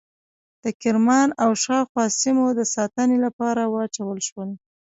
د کرمان او شاوخوا سیمو د ساتنې لپاره واچول شول.